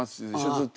ずっと。